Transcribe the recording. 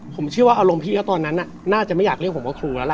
ผมเชื่อว่าอารมณ์พี่เขาตอนนั้นน่าจะไม่อยากเรียกผมว่าครูแล้วล่ะ